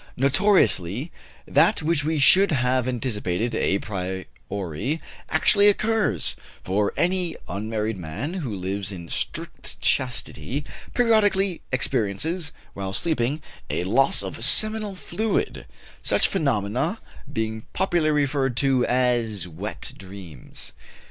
Notoriously, that which we should have anticipated a priori actually occurs; for any unmarried man, who lives in strict chastity, periodically experiences, while sleeping, a loss of seminal fluid such phenomena being popularly referred to as wet dreams.